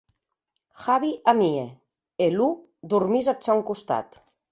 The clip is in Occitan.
Javi amie e Lu dormís ath sòn costat.